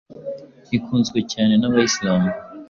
ikunzwe cyane n’abayislam